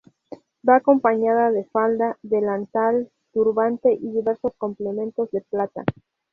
Va acompañada de falda, delantal, turbante y diversos complementos de plata.